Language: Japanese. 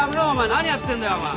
何やってんだよお前。